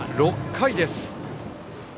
６回です。